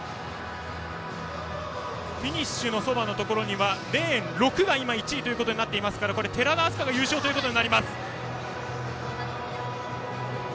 フィニッシュのそばのところでレーン６が今、１位となっていますから寺田明日香が優勝となります。